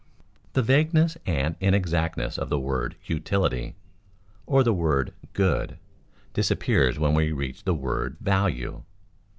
_ The vagueness and inexactness of the word "utility," or the word "good," disappears when we reach the word "value."